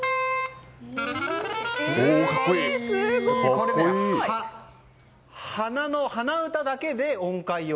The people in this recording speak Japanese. これ、鼻歌だけで音階を。